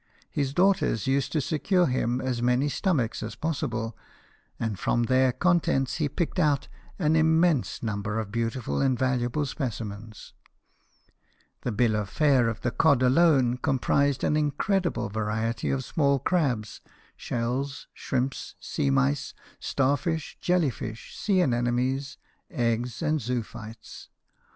His daughters used to secure him as many stomachs as possible, and from their contents he picked out an im mense number of beautiful and valuable speci mens. The bill of fare of the cod alone comprised an incredible variety of small crabs, shells, shrimps, sea mice, star fish, jelly fish, sea anemones, eggs, and zoophytes.